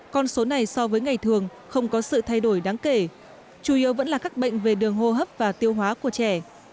con số này so với ngày thường không có sự thay đổi đáng kể chủ yếu vẫn là các bệnh về đường hô hấp và tiêu hóa của trẻ